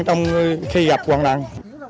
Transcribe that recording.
trong khi gặp quả nặng